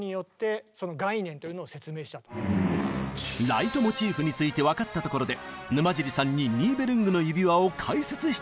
ライトモチーフについて分かったところで沼尻さんに「ニーベルングの指環」を解説して頂きます。